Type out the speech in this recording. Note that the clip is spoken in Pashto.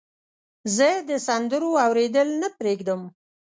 زه د سندرو اوریدل نه پرېږدم.